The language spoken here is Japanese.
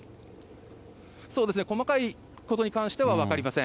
そうですね、細かいことに関しては分かりません。